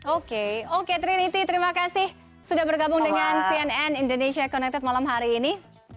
oke oke trinity terima kasih sudah bergabung dengan cnn indonesia connected malam hari ini